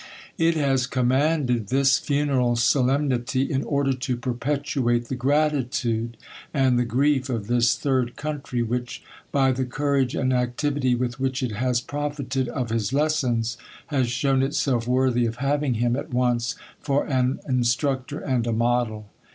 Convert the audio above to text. THE COLUMBIAN ORATOR. Gij ft has commanded this funeral solemnity, in order to perpetuate the gratitude anti the grief of this third country, which, by the courage and activity with which it has profited of his lessons, has shown itself worthy of having him at once for an instructor and a model.